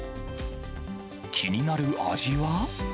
気になる味は。